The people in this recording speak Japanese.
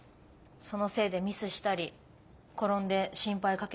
そのせいでミスしたり転んで心配かけちゃったり。